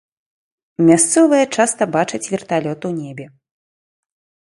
Мясцовыя часта бачаць верталёт у небе.